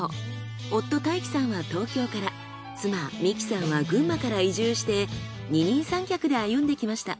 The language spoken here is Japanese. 夫大樹さんは東京から妻美木さんは群馬から移住して二人三脚で歩んできました。